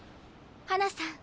花さん。